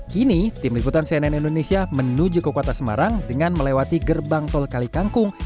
kini tim liputan cnn indonesia menuju ke kota semarang dengan melewati gerbang tol kalikangkung